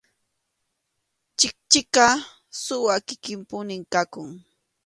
Chikchiqa suwa kikinpunim kanku.